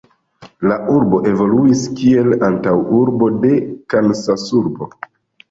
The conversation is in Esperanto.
La urbo evoluis kiel antaŭurbo de Kansasurbo.